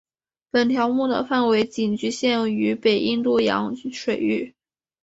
本条目的范围仅局限于北印度洋水域。